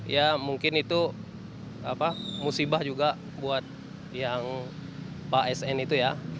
ya mungkin itu musibah juga buat yang pak sn itu ya